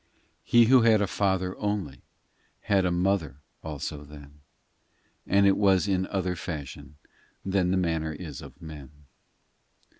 IV He Who had a Father only Had a Mother also then : But it was in other fashion Than the manner is of men.